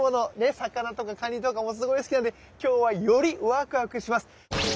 魚とかカニとかもすごい好きなんで今日はよりワクワクします。